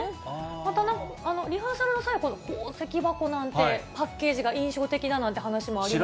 また、リハーサルの際、宝石箱なんて、パッケージが印象的だなんて人もいました。